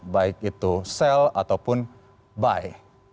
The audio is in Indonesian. baik itu sel ataupun buy